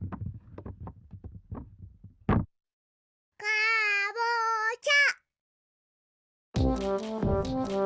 かぼちゃ。